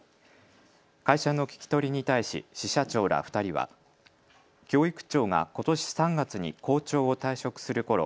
会社の聞き取りに対し支社長ら２人は教育長がことし３月に校長を退職するころ